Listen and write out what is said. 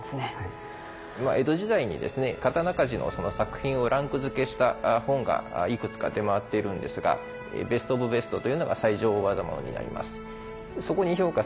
江戸時代にですね刀鍛冶のその作品をランク付けした本がいくつか出回っているんですがベスト・オブ・ベストというのが最上大業物になります。